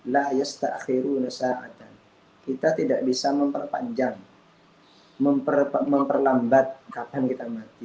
layak setakhirulah saat kita tidak bisa memperpanjang memperlambat kapan kita mati